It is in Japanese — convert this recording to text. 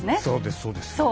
そうですそうです。